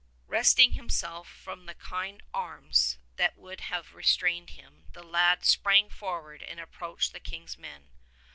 52 Wresting himself from the kind arms that would have restrained him, the lad sprang forward and approached the King's men.